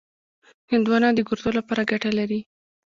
هندوانه د ګردو لپاره ګټه لري.